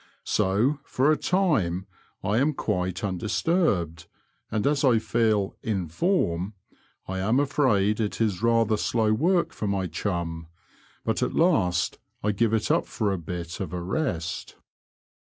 So for a time I am quite undisturbed, and as I feel '* in form/' I am afraid it is rather jslow work for my chum ; but at last I give it up for a bit of a rest.